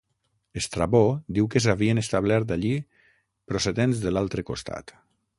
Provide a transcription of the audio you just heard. Estrabó diu que s'havien establert allí procedents de l'altre costat.